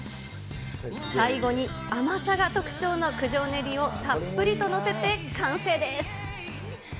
最後に甘さが特徴の九条ネギをたっぷりと載せて完成です。